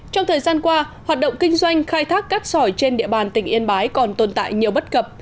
trong thời gian qua hoạt động kinh doanh khai thác cát sỏi trên địa bàn tỉnh yên bái còn tồn tại nhiều bất cập